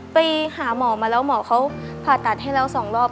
ไปหาหมอมาแล้วหมอเขาผ่าตัดให้แล้ว๒รอบ